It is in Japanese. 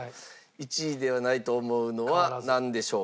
１位ではないと思うのはなんでしょうか？